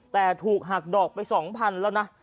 แต่ถูกหักดอกไปสองพันแล้วนะ